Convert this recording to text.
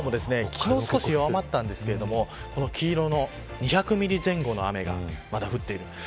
昨日、少し弱まったんですけど黄色の２００ミリ前後の雨がまだ降っている。